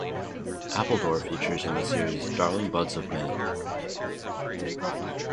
Appledore features in the series Darling Buds of May.